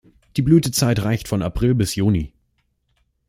Die Blütezeit reicht von April bis Juni.